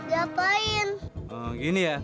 diapain eh gini ya